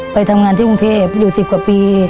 ไปทำงานที่กรุงเทพอยู่๑๐กว่าปี